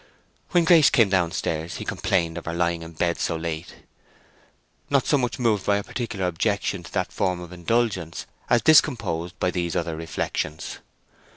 When Grace came down stairs he complained of her lying in bed so late; not so much moved by a particular objection to that form of indulgence as discomposed by these other reflections.